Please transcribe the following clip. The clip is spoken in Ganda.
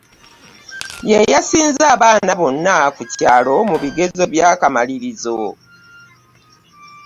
Ye yasinze abaana bonna kukyaalo mu bigezo byakamalirizo.